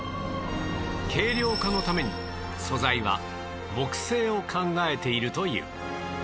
軽量化のために素材は木製を考えているという